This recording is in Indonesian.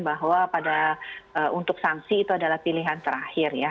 bahwa pada untuk sanksi itu adalah pilihan terakhir ya